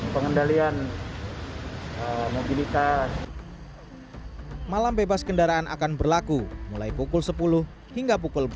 pengendalian mobilitas malam bebas kendaraan akan berlaku mulai pukul sepuluh hingga pukul empat belas